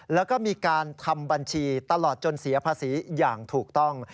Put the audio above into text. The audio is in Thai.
แล้วก็มีการทำบัญชีตลอดจนเสียภาษีอย่างถูกต้อง